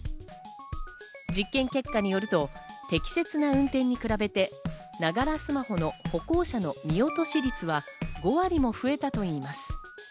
実験結果によると、適切な運転に比べて、ながらスマホの歩行者の見落とし率は５割も増えたといいます。